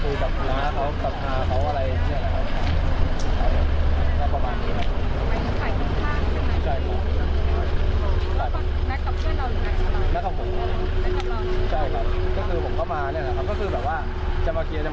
นานที่ไหน